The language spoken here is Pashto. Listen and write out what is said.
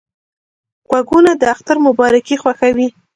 غوږونه د اختر مبارکۍ خوښوي